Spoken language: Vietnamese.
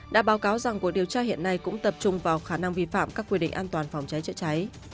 đã báo cáo rằng cuộc điều tra hiện nay cũng tập trung vào khả năng vi phạm các quy định an toàn phòng cháy chữa cháy